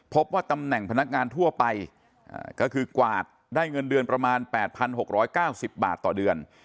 พบว่าตำแหน่งพนักงานทั่วไปก็คือกวาดได้เงินเดือนประมาณ๘๖๙๐บาทต่อเดือน